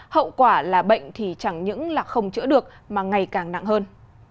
hậu quả là bệnh thì chẳng những là không chữa được mà ngày càng nặng hơn